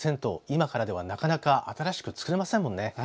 今からでは、なかなか新しく作れませんもんね。